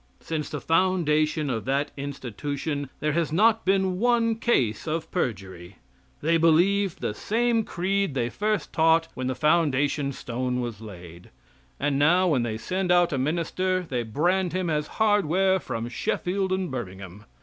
Since the foundation of that institution there has not been one case of perjury. They believe the same creed they first taught when the foundation stone was laid, and now when they send out a minister they brand him as hardware from Sheffield and Birmingham.